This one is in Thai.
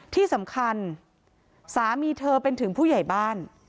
ที่สำคัญสามีเธอเป็นถึงผู้ใหญ่บ้าน